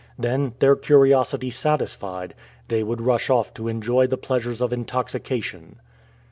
Then, their curiosity satisfied, they would rush off to enjoy the pleasures of intoxication.